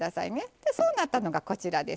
でそうなったのがこちらです。